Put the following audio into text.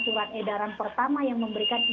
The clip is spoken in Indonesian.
surat edaran pertama yang memberikan